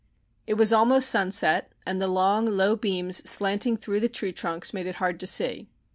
It was almost sunset, and the long, low beams slanting through the tree trunks made it hard to see.